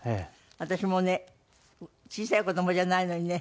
私もうね小さい子どもじゃないのにね